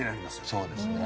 そうですね。